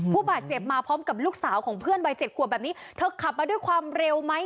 ผู้บาดเจ็บมาพร้อมกับลูกสาวของเพื่อนวัยเจ็ดขวบแบบนี้เธอขับมาด้วยความเร็วไหม